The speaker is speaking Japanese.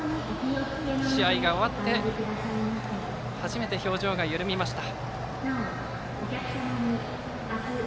試合が終わって初めて表情が緩みました。